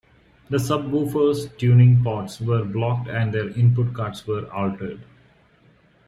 The subwoofers' tuning ports were blocked and their input cards were altered.